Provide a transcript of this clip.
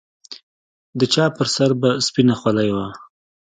د چا پر سر به سپينه خولۍ وه.